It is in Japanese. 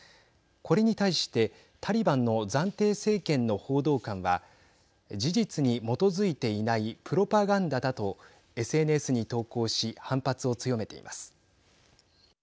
これに対してタリバンの暫定政権の報道官は事実に基づいていないプロパガンダだとＳＮＳに投稿し反発を強めています。